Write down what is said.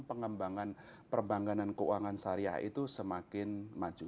pengembangan perbankanan keuangan syariah itu semakin maju